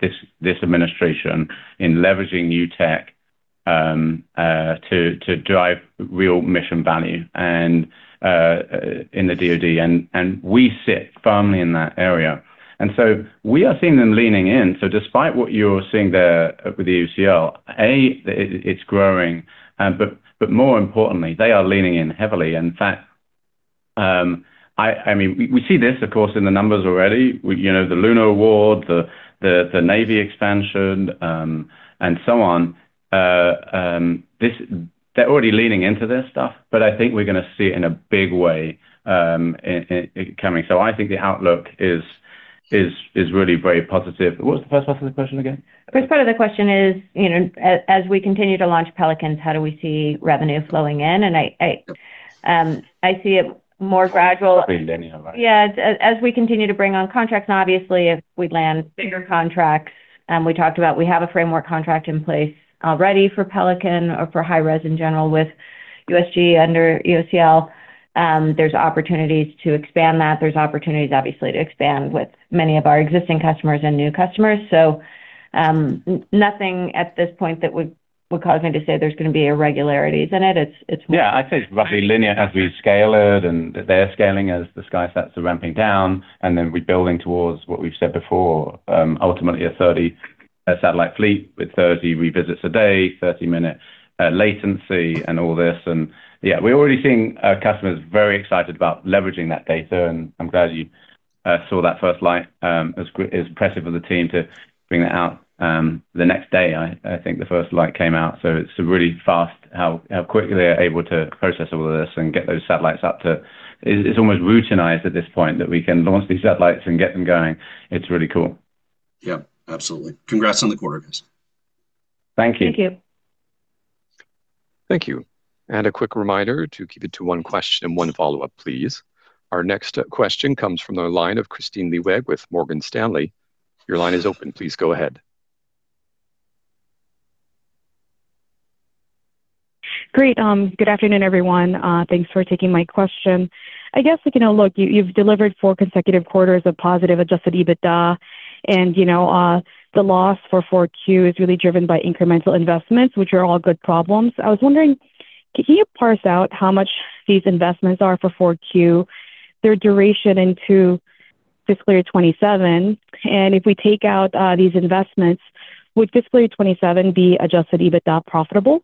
this administration in leveraging new tech to drive real mission value in the DoD. And we sit firmly in that area. And so we are seeing them leaning in. So despite what you're seeing there with the EOCL, A, it's growing. But more importantly, they are leaning in heavily. In fact, I mean, we see this, of course, in the numbers already. The Luno B award, the Navy expansion, and so on. They're already leaning into this stuff, but I think we're going to see it in a big way coming. So I think the outlook is really very positive. What was the first part of the question again? First part of the question is, as we continue to launch Pelicans, how do we see revenue flowing in? And I see it more gradual. Yeah. As we continue to bring on contracts, and obviously, if we land bigger contracts, we talked about we have a framework contract in place already for Pelican or for high-res in general with USG under EOCL. There's opportunities to expand that. There's opportunities, obviously, to expand with many of our existing customers and new customers. So nothing at this point that would cause me to say there's going to be irregularities in it. It's more. Yeah. I'd say it's roughly linear as we scale it, and they're scaling as the SkySat start ramping down, and then rebuilding towards what we've said before, ultimately a 30-satellite fleet with 30 revisits a day, 30-minute latency, and all this. And yeah, we're already seeing customers very excited about leveraging that data. And I'm glad you saw that first light. It was impressive of the team to bring that out the next day. I think the first light came out. So it's really fast how quickly they're able to process all of this and get those satellites up to. It's almost routinized at this point that we can launch these satellites and get them going. It's really cool. Yeah. Absolutely. Congrats on the quarter, guys. Thank you. Thank you. Thank you. And a quick reminder to keep it to one question and one follow-up, please. Our next question comes from the line of Kristine Liwag with Morgan Stanley. Your line is open. Please go ahead. Great. Good afternoon, everyone. Thanks for taking my question. I guess, look, you've delivered four consecutive quarters of positive adjusted EBITDA, and the loss for 4Q is really driven by incremental investments, which are all good problems. I was wondering, can you parse out how much these investments are for 4Q, their duration into fiscal year 2027? And if we take out these investments, would fiscal year 2027 be adjusted EBITDA profitable?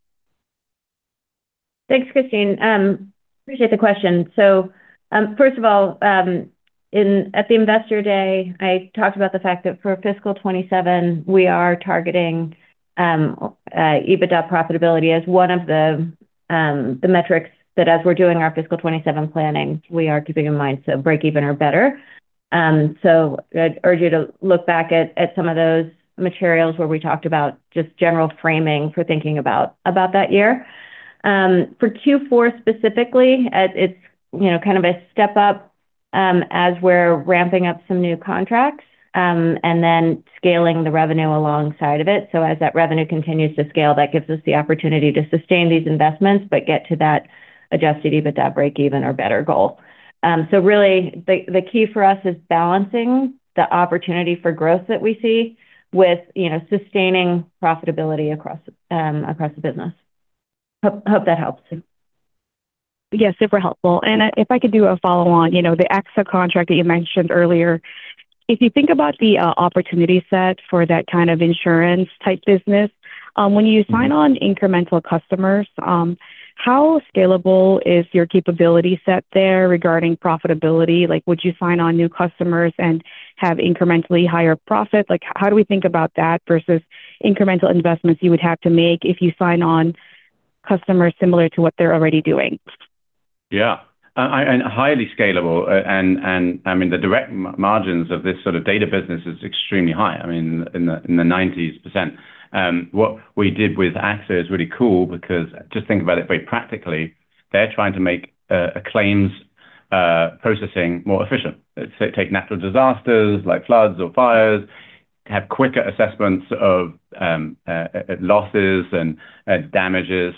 Thanks, Kristine. Appreciate the question. So first of all, at the Investor Day, I talked about the fact that for fiscal 2027, we are targeting EBITDA profitability as one of the metrics that, as we're doing our fiscal 2027 planning, we are keeping in mind, so break-even or better. So I'd urge you to look back at some of those materials where we talked about just general framing for thinking about that year. For Q4 specifically, it's kind of a step up as we're ramping up some new contracts and then scaling the revenue alongside of it. So as that revenue continues to scale, that gives us the opportunity to sustain these investments but get to that Adjusted EBITDA break-even or better goal. So really, the key for us is balancing the opportunity for growth that we see with sustaining profitability across the business. Hope that helps. Yeah, super helpful. And if I could do a follow-on, the AXA contract that you mentioned earlier, if you think about the opportunity set for that kind of insurance-type business, when you sign on incremental customers, how scalable is your capability set there regarding profitability? Would you sign on new customers and have incrementally higher profit? How do we think about that versus incremental investments you would have to make if you sign on customers similar to what they're already doing? Yeah, and highly scalable, and I mean, the direct margins of this sort of data business is extremely high. I mean, in the 90s%. What we did with AXA is really cool because just think about it very practically. They're trying to make claims processing more efficient. Take natural disasters like floods or fires, have quicker assessments of losses and damages,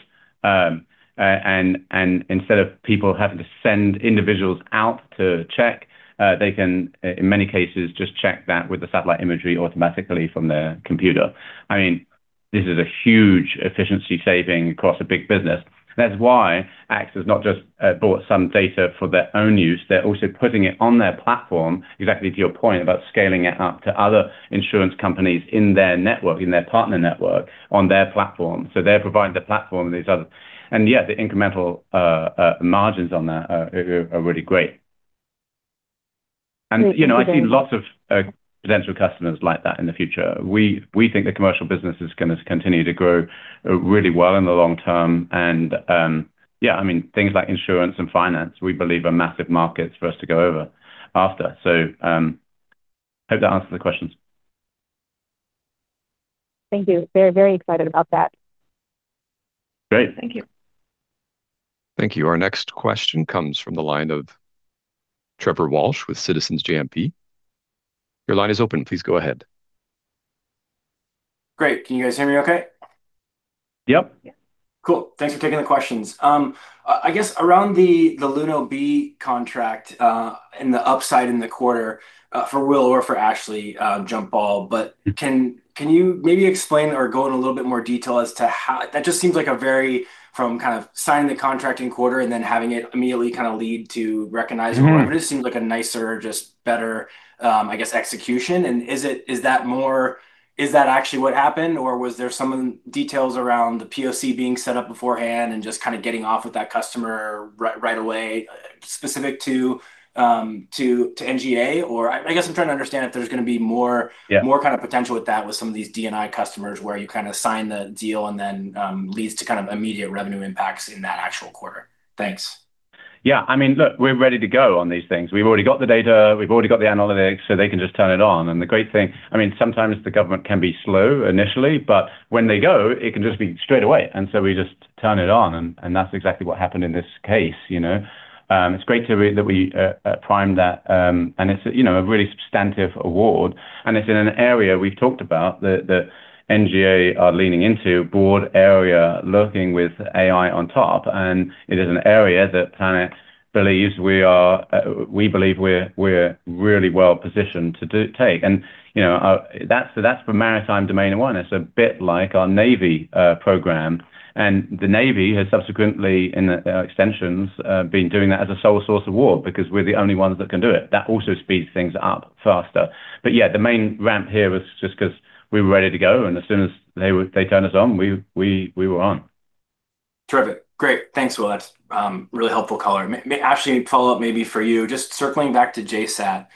and instead of people having to send individuals out to check, they can, in many cases, just check that with the satellite imagery automatically from their computer. I mean, this is a huge efficiency saving across a big business. That's why AXA has not just bought some data for their own use. They're also putting it on their platform, exactly to your point about scaling it up to other insurance companies in their network, in their partner network, on their platform. So they're providing the platform and these others. And yeah, the incremental margins on that are really great. And I see lots of potential customers like that in the future. We think the commercial business is going to continue to grow really well in the long term. And yeah, I mean, things like insurance and finance, we believe, are massive markets for us to go over after. So I hope that answers the questions. Thank you. Very, very excited about that. Great. Thank you. Thank you. Our next question comes from the line of Trevor Walsh with Citizens JMP. Your line is open. Please go ahead. Great. Can you guys hear me okay? Yep. Cool. Thanks for taking the questions. I guess around the Luno B contract and the upside in the quarter for Will or for Ashley, jump ball, but can you maybe explain or go in a little bit more detail as to how that just seems like a very from kind of signing the contract in quarter and then having it immediately kind of lead to recognizable. It just seems like a nicer, just better, I guess, execution. And is that actually what happened, or was there some details around the POC being set up beforehand and just kind of getting off with that customer right away specific to NGA? Or I guess I'm trying to understand if there's going to be more kind of potential with that with some of these DIU customers where you kind of sign the deal and then leads to kind of immediate revenue impacts in that actual quarter. Thanks. Yeah. I mean, look, we're ready to go on these things. We've already got the data. We've already got the analytics, so they can just turn it on. And the great thing, I mean, sometimes the government can be slow initially, but when they go, it can just be straight away. And so we just turn it on. And that's exactly what happened in this case. It's great that we primed that. And it's a really substantive award. And it's in an area we've talked about that NGA are leaning into, broad area looking with AI on top. And it is an area that Planet believes we're really well positioned to take. And that's the maritime domain awareness. It's a bit like our Navy program. And the Navy has subsequently, in extensions, been doing that as a sole source award because we're the only ones that can do it. That also speeds things up faster. But yeah, the main ramp here was just because we were ready to go. And as soon as they turned us on, we were on. Terrific. Great. Thanks, Will. That's really helpful color. Ashley, follow-up maybe for you. Just circling back to JSAT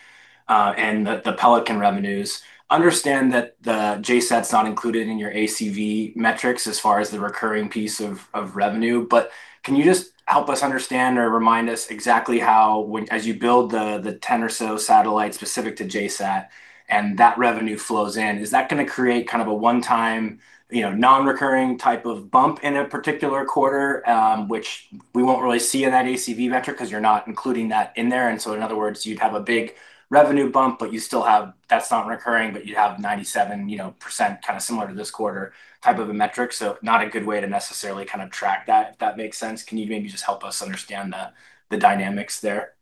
and the Pelican revenues, understand that the JSAT's not included in your ACV metrics as far as the recurring piece of revenue. But can you just help us understand or remind us exactly how, as you build the 10 or so satellites specific to JSAT and that revenue flows in, is that going to create kind of a 1x non-recurring type of bump in a particular quarter, which we won't really see in that ACV metric because you're not including that in there? And so in other words, you'd have a big revenue bump, but you still have that's not recurring, but you have 97% kind of similar to this quarter type of a metric. So not a good way to necessarily kind of track that, if that makes sense. Can you maybe just help us understand the dynamics there?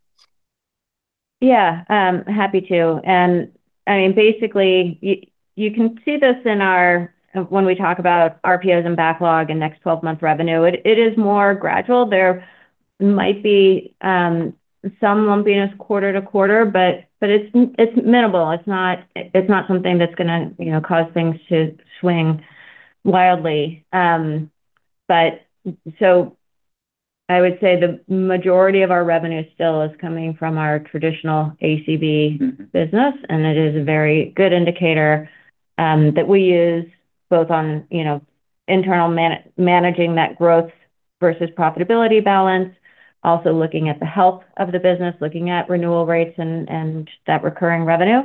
Yeah. Happy to, and I mean, basically, you can see this in our when we talk about RPOs and backlog and next 12-month revenue. It is more gradual. There might be some lumpiness quarter-to-quarter, but it's minimal. It's not something that's going to cause things to swing wildly, but so I would say the majority of our revenue still is coming from our traditional ACV business, and it is a very good indicator that we use both on internal managing that growth versus profitability balance, also looking at the health of the business, looking at renewal rates and that recurring revenue,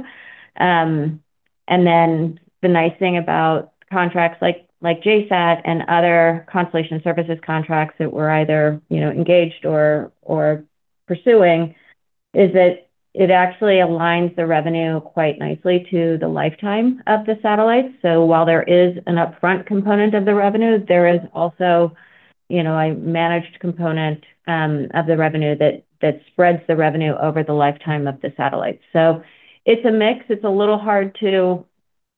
and then the nice thing about contracts like JSAT and other constellation services contracts that we're either engaged or pursuing is that it actually aligns the revenue quite nicely to the lifetime of the satellites, so while there is an upfront component of the revenue, there is also a managed component of the revenue that spreads the revenue over the lifetime of the satellites, so it's a mix. It's a little hard to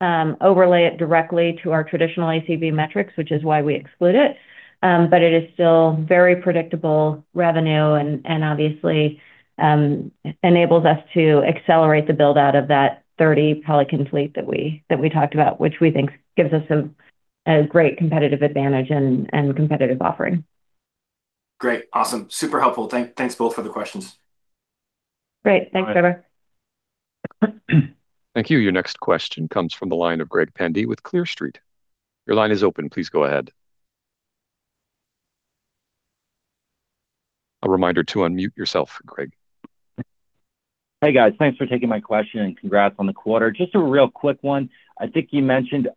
overlay it directly to our traditional ACV metrics, which is why we exclude it. But it is still very predictable revenue and obviously enables us to accelerate the build-out of that 30-Pelican fleet that we talked about, which we think gives us a great competitive advantage and competitive offering. Great. Awesome. Super helpful. Thanks both for the questions. Great. Thanks, Trevor. Thank you. Your next question comes from the line of Greg Pendy with Clear Street. Your line is open. Please go ahead. A reminder to unmute yourself, Greg. Hey, guys. Thanks for taking my question and congrats on the quarter. Just a real quick one. I think you mentioned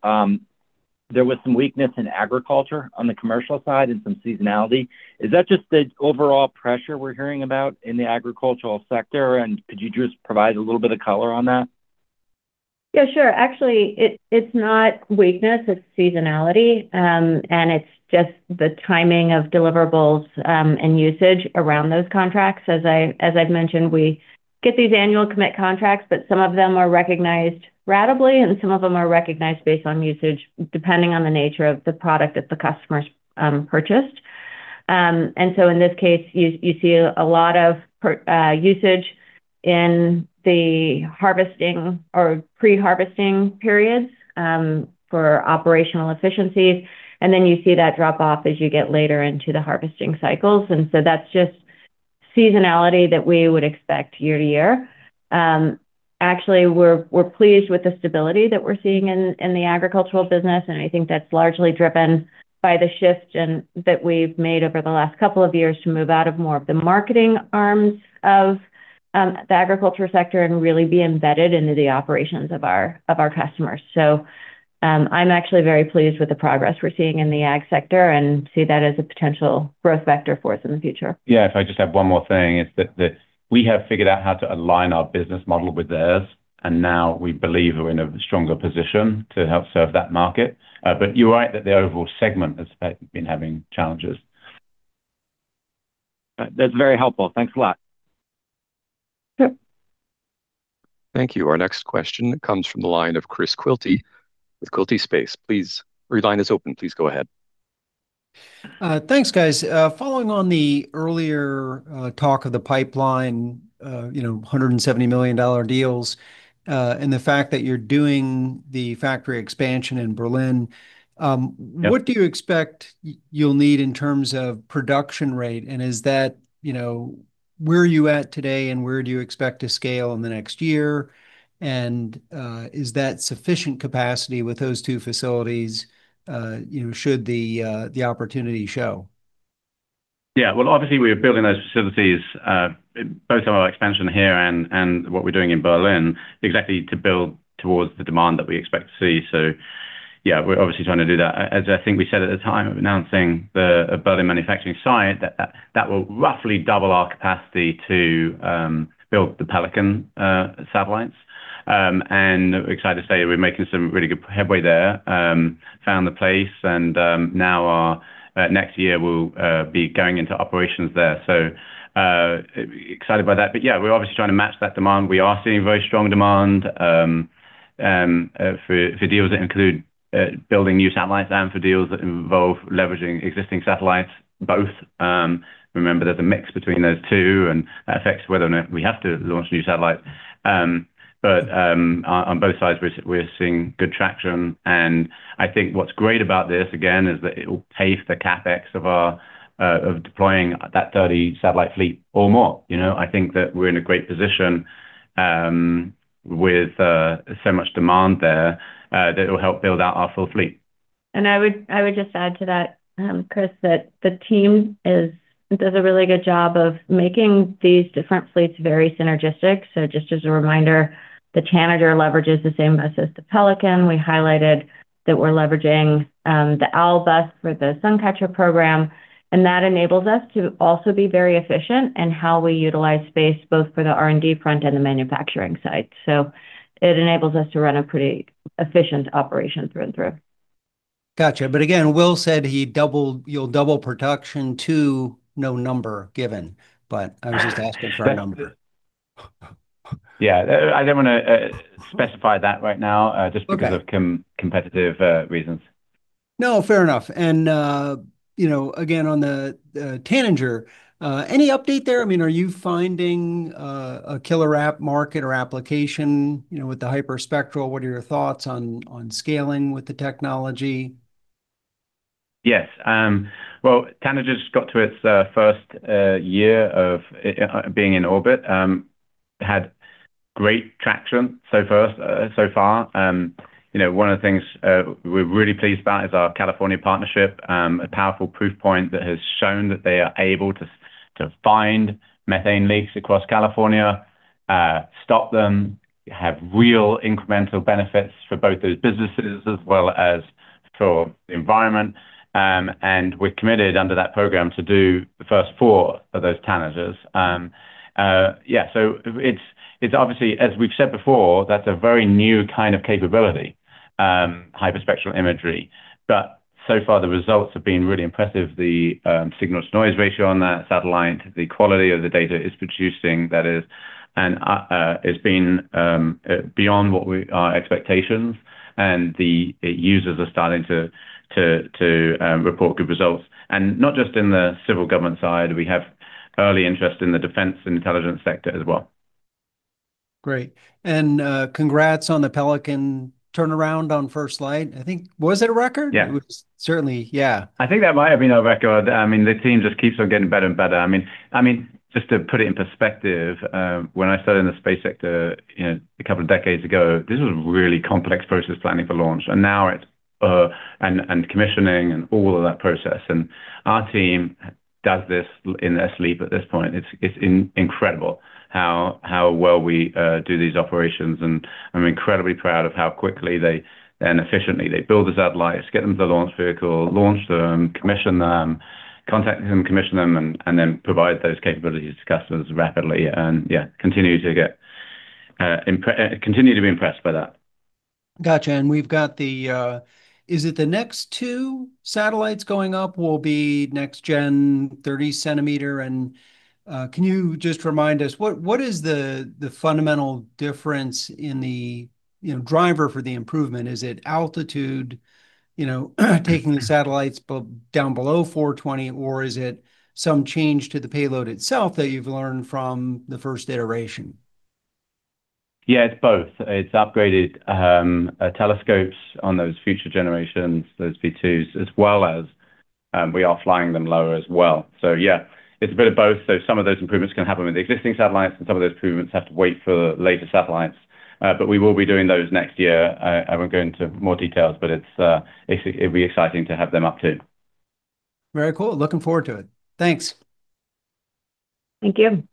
there was some weakness in agriculture on the commercial side and some seasonality. Is that just the overall pressure we're hearing about in the agricultural sector? And could you just provide a little bit of color on that? Yeah, sure. Actually, it's not weakness. It's seasonality. And it's just the timing of deliverables and usage around those contracts. As I've mentioned, we get these annual commit contracts, but some of them are recognized ratably, and some of them are recognized based on usage depending on the nature of the product that the customer's purchased. And so in this case, you see a lot of usage in the harvesting or pre-harvesting periods for operational efficiencies. And then you see that drop off as you get later into the harvesting cycles. And so that's just seasonality that we would expect year-to-year. Actually, we're pleased with the stability that we're seeing in the agricultural business. And I think that's largely driven by the shift that we've made over the last couple of years to move out of more of the marketing arms of the agriculture sector and really be embedded into the operations of our customers. So I'm actually very pleased with the progress we're seeing in the ag sector and see that as a potential growth vector for us in the future. Yeah. If I just have one more thing, it's that we have figured out how to align our business model with theirs. And now we believe we're in a stronger position to help serve that market. But you're right that the overall segment has been having challenges. That's very helpful. Thanks a lot. Sure. Thank you. Our next question comes from the line of Chris Quilty with Quilty Space. Please, your line is open. Please go ahead. Thanks, guys. Following on the earlier talk of the pipeline, $170 million deals, and the fact that you're doing the factory expansion in Berlin, what do you expect you'll need in terms of production rate? And is that where are you at today, and where do you expect to scale in the next year? And is that sufficient capacity with those two facilities, should the opportunity show? Yeah, well, obviously, we are building those facilities, both our expansion here and what we're doing in Berlin, exactly to build towards the demand that we expect to see. So yeah, we're obviously trying to do that. As I think we said at the time of announcing the Berlin manufacturing site, that will roughly double our capacity to build the Pelican satellites, and we're excited to say we're making some really good headway there. Found the place. And now next year, we'll be going into operations there. So excited by that. But yeah, we're obviously trying to match that demand. We are seeing very strong demand for deals that include building new satellites and for deals that involve leveraging existing satellites, both. Remember, there's a mix between those two, and that affects whether or not we have to launch new satellites. But on both sides, we're seeing good traction. And I think what's great about this, again, is that it will pave the CapEx of deploying that 30-satellite fleet or more. I think that we're in a great position with so much demand there that it will help build out our full fleet. And I would just add to that, Chris, that the team does a really good job of making these different fleets very synergistic. So just as a reminder, the Tanager leverages the same bus as the Pelican. We highlighted that we're leveraging the Owl bus for the Suncatcher program. And that enables us to also be very efficient in how we utilize space both for the R&D front and the manufacturing site. So it enables us to run a pretty efficient operation through and through. Gotcha. But again, Will said you'll double production to no number given, but I was just asking for a number. Yeah. I don't want to specify that right now just because of competitive reasons. No, fair enough. And again, on the Tanager, any update there? I mean, are you finding a killer app market or application with the hyperspectral? What are your thoughts on scaling with the technology? Yes. Well, Tanager just got to its first year of being in orbit. It had great traction so far. One of the things we're really pleased about is our California partnership, a powerful proof point that has shown that they are able to find methane leaks across California, stop them, have real incremental benefits for both those businesses as well as for the environment. And we're committed under that program to do the first four of those challenges. Yeah. So it's obviously, as we've said before, that's a very new kind of capability, hyperspectral imagery. But so far, the results have been really impressive. The signal-to-noise ratio on that satellite, the quality of the data it's producing, that is, and it's been beyond our expectations. And the users are starting to report good results. And not just in the civil government side. We have early interest in the defense and intelligence sector as well. Great. And congrats on the Pelican turnaround on first flight. I think, was it a record? Yeah. It was certainly, yeah. I think that might have been a record. I mean, the team just keeps on getting better and better. I mean, just to put it in perspective, when I started in the space sector a couple of decades ago, this was a really complex process planning for launch. And now it's commissioning and all of that process. And our team does this in their sleep at this point. It's incredible how well we do these operations. And I'm incredibly proud of how quickly and efficiently they build the satellites, get them to the launch vehicle, launch them, commission them, contact them, commission them, and then provide those capabilities to customers rapidly. And yeah, continue to be impressed by that. Gotcha. And we've got the, is it the next two satellites going up will be next-gen 30-centimeter? And can you just remind us, what is the fundamental difference in the driver for the improvement? Is it altitude, taking the satellites down below 420, or is it some change to the payload itself that you've learned from the first iteration? Yeah, it's both. It's upgraded telescopes on those future generations, those V2s, as well as we are flying them lower as well. So yeah, it's a bit of both. So some of those improvements can happen with the existing satellites, and some of those improvements have to wait for the later satellites. But we will be doing those next year. I won't go into more details, but it'll be exciting to have them up too. Very cool. Looking forward to it. Thanks. Thank you.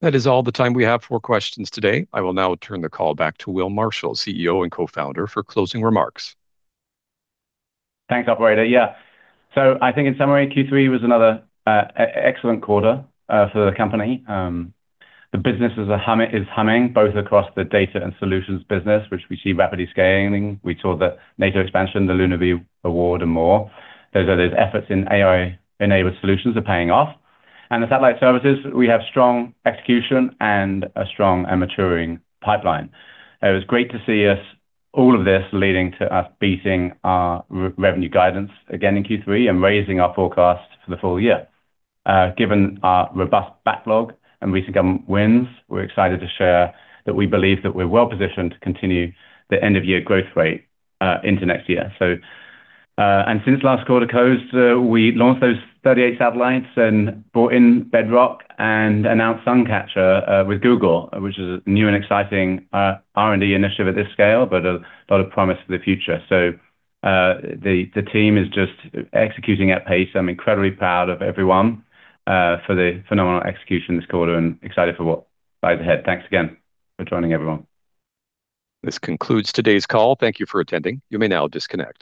That is all the time we have for questions today. I will now turn the call back to Will Marshall, CEO and Co-Founder, for closing remarks. Thanks, operator. Yeah, so I think in summary, Q3 was another excellent quarter for the company. The business is humming, both across the data and solutions business, which we see rapidly scaling. We saw the NATO expansion, the Luno B award, and more. Those efforts in AI-enabled solutions are paying off and the satellite services, we have strong execution and a strong and maturing pipeline. It was great to see all of this leading to us beating our revenue guidance again in Q3 and raising our forecast for the full year. Given our robust backlog and recent government wins, we're excited to share that we believe that we're well positioned to continue the end-of-year growth rate into next year. And since last quarter closed, we launched those 38 satellites and bought in Bedrock and announced Suncatcher with Google, which is a new and exciting R&D initiative at this scale, but a lot of promise for the future. So the team is just executing at pace. I'm incredibly proud of everyone for the phenomenal execution this quarter and excited for what lies ahead. Thanks again for joining, everyone. This concludes today's call. Thank you for attending. You may now disconnect.